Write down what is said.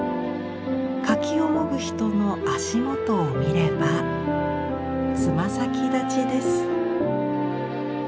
柿をもぐ人の足元を見ればつま先立ちです。